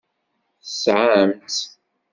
Tesɛam-tt?